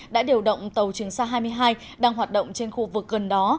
đã điều động tàu trường sa hai mươi hai đang hoạt động trên khu vực gần đó